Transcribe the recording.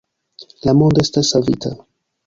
La mondo estas savita